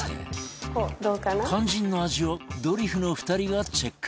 肝心の味をドリフの２人がチェック